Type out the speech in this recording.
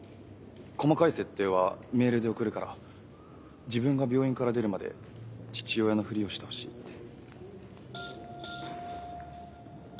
細かい設定はメールで送るから自分が病院から出るまで父親のふりをしてほしいって。